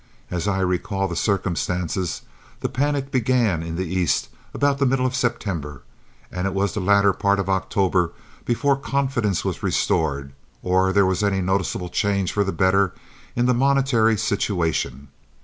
As I recall the circumstances, the panic began in the East about the middle of September, and it was the latter part of October before confidence was restored, or there was any noticeable change for the better in the monetary situation.